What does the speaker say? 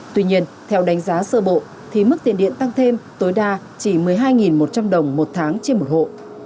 tuy nhiên theo đánh giá sơ bộ thì mức tiền điện tăng thêm tối đa chỉ một mươi hai một trăm linh đồng một tháng trên một hộ